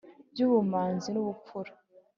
By'ubumanzi n'ubupfura